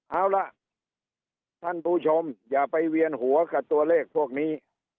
เอาล่ะท่านผู้ชมอย่าไปเวียนหัวกับตัวเลขพวกนี้